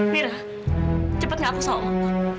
mira cepet gak aku salah